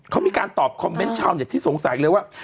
เขามีการตอบคอมเมนต์ชาวเน็ตที่สงสัยเลยว่า